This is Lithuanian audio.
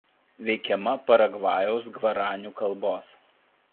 Veikiama Paragvajaus gvaranių kalbos.